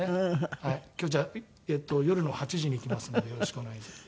今日じゃあえっと夜の８時に行きますのでよろしくお願いします。